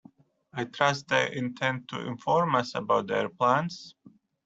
I trust they intend to inform us about their plans.